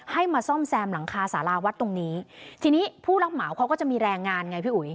มาซ่อมแซมหลังคาสาราวัดตรงนี้ทีนี้ผู้รับเหมาเขาก็จะมีแรงงานไงพี่อุ๋ย